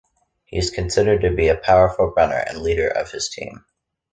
He is considered to be a powerful runner and leader of his team.